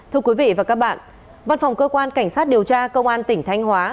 thưa quý vị và các bạn văn phòng cơ quan cảnh sát điều tra công an tỉnh thanh hóa